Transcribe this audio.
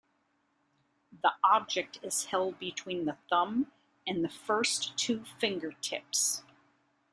The object is held between the thumb and first two finger tips.